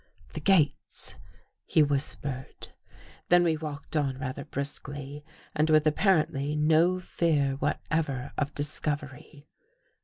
" The gates," he whispered. Then we walked on rather briskly and with, ap parently, no fear whatever of discovery.